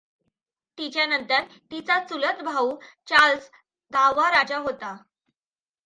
तिच्यानंतर तिचा चुलतभाउ चार्ल्स दहावा राजा झाला.